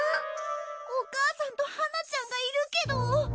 お母さんとはなちゃんがいるけど。